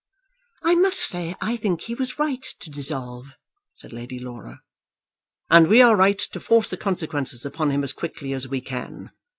"I must say I think he was right to dissolve," said Lady Laura. "And we are right to force the consequences upon him as quickly as we can.